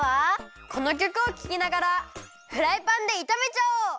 このきょくをききながらフライパンでいためちゃおう！